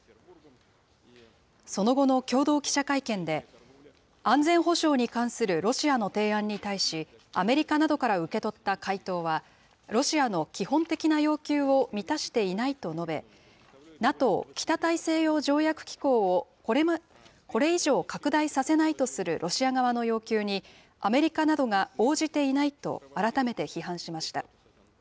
その後の共同記者会見で、安全保障に関するロシアの提案に対し、アメリカなどから受け取った回答は、ロシアの基本的な要求を満たしていないと述べ、ＮＡＴＯ・北大西洋条約機構を、これ以上拡大させないとするロシア側の要求に、アメリカなどが応じていないと改めて批判しました。